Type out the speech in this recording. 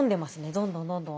どんどんどんどん。